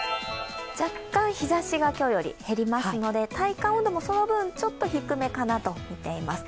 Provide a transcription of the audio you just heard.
若干、日ざしが今日より減りますので、体感温度もその分、ちょっと低めかなとみています。